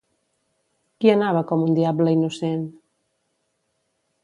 Qui anava com un diable innocent?